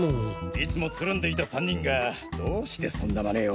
いつもつるんでいた３人がどうしてそんな真似を？